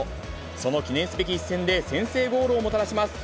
その記念すべき一戦で先制ゴールをもたらします。